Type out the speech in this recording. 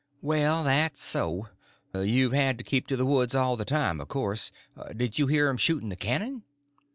"Well, that's so. You've had to keep in the woods all the time, of course. Did you hear 'em shooting the cannon?"